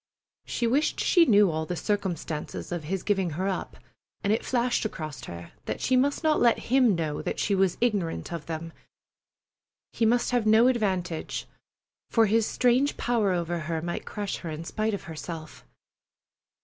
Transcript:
She wished she knew all the circumstances of his giving her up, and it flashed across her that she must not let him know that she was ignorant of them. He must have no advantage, for his strange power over her might crush her in spite of herself.